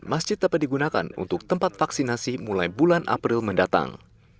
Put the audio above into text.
masjid dapat digunakan untuk tempat vaksinasi mulai bulan april mendatang